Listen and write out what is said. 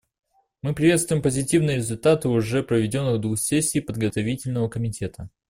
Мы приветствуем позитивные результаты уже проведенных двух сессий Подготовительного комитета.